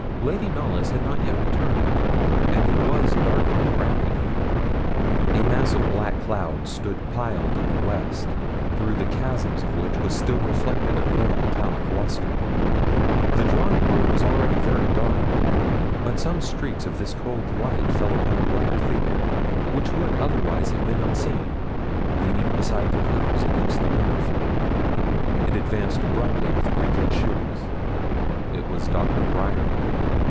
Lady Knollys had not yet returned, and it was darkening rapidly; a mass of black clouds stood piled in the west, through the chasms of which was still reflected a pale metallic lustre. The drawing room was already very dark; but some streaks of this cold light fell upon a black figure, which would otherwise have been unseen, leaning beside the curtains against the window frame. It advanced abruptly, with creaking shoes; it was Doctor Bryerly.